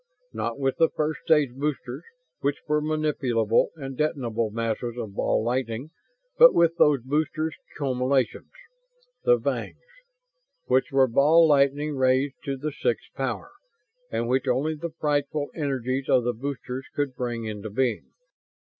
Not with the first stage boosters, which were manipulable and detonable masses of ball lightning, but with those boosters' culminations, the Vangs; which were ball lightning raised to the sixth power and which only the frightful energies of the boosters could bring into being.